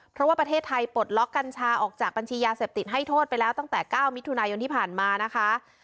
เพราะว่าประเทศไทยปลดล็อกกัญชาออกจากบัญชียาเสพติดให้โทษไปแล้วตั้งแต่๙มิถุนายนที่ผ่านมานะคะ